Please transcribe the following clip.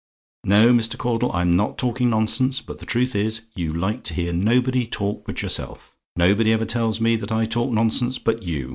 No, Mr. Caudle, I'm not talking nonsense; but the truth is, you like to hear nobody talk but yourself. Nobody ever tells me that I talk nonsense but you.